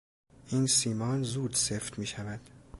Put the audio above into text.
این سیمان زود سفت میشود.